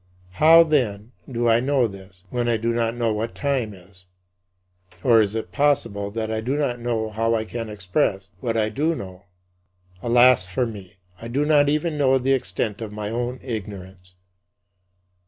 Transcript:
How, then, do I know this, when I do not know what time is? Or, is it possible that I do not know how I can express what I do know? Alas for me! I do not even know the extent of my own ignorance.